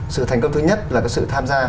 sự thành công thứ nhất là sự tham gia